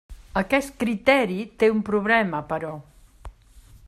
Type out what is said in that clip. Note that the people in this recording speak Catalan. Aquest criteri té un problema, però.